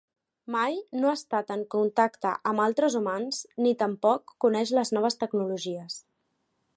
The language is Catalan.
Mai no ha estat en contacte amb altres humans ni tampoc coneix les noves tecnologies.